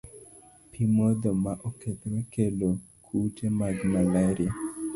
Pi modho ma okethore kelo kute mag malaria.